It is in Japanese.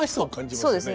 そうですね。